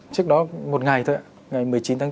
trước đó một ngày thôi ngày một mươi chín tháng bốn